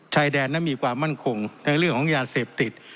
ชายแดนนั้นมีความมั่นคงในเรื่องของยาเสพติด